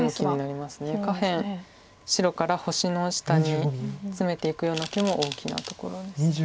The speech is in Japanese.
下辺白から星の下にツメていくような手も大きなところです。